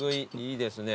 いいですね。